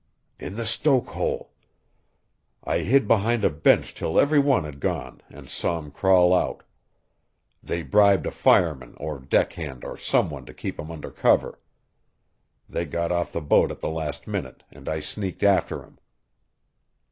"In the stoke hole. I hid behind a bench till every one had gone and saw 'em crawl out. They bribed a fireman or deck hand or some one to keep 'em under cover. They got off the boat at the last minute, and I sneaked after 'em."